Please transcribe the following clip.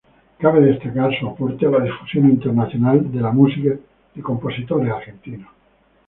Cabe destacar su aporte a la difusión internacional de la música de compositores argentinos.